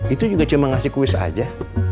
itu juga cuma ngasih kuis saja